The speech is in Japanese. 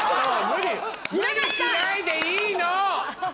無理しないでいいの！